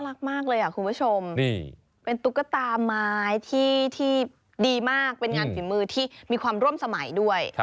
รักมากเลยคุณผู้ชมเป็นตุ๊กตาไม้ที่ดีมากเป็นงานฝีมือที่มีความร่วมสมัยด้วย